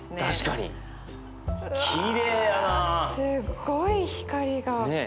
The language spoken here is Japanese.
すっごい光が。